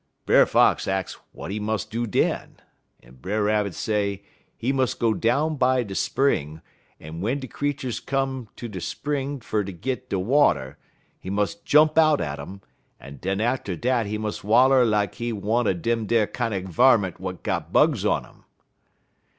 Brer Fox ax w'at he mus' do den, en Brer Rabbit say he mus' go down by de spring, en w'en de creeturs come ter de spring fer ter git dey water, he mus' jump out at um, en den atter dat he mus' waller lak he one er dem ar kinder varment w'at got bugs on um.